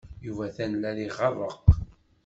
Yuba atan la iɣerreq.